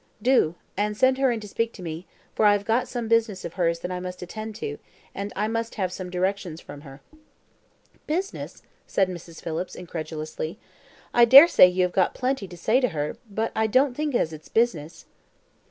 "Do; and send her in to speak to me, for I have got some business of hers that I must attend to, and I must have some directions from her." "Business!" said Mrs. Phillips, incredulously; "I dare say you have got plenty to say to her, but I don't think as it's business."